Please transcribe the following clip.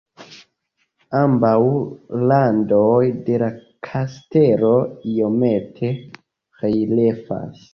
Ambaŭ randoj de la kastelo iomete reliefas.